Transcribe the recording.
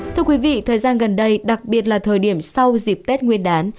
thưa quý vị thời gian gần đây đặc biệt là thời điểm sau dịp tết nguyên đán